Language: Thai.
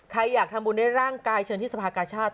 อยากทำบุญในร่างกายเชิญที่สภากาชาติ